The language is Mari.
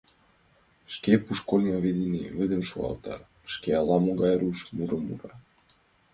Шке пуш кольмо дене вӱдым шуалта, шке, ала-могай руш мурым мура.